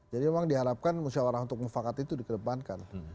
jadi memang diharapkan musyawarah untuk mufakat itu dikedepankan